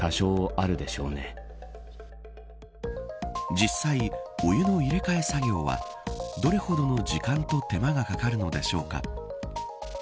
実際、お湯の入れ替え作業はどれほどの時間と手間がかかるのでしょうか。